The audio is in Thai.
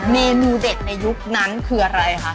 เมนูเด็ดในยุคนั้นคืออะไรคะ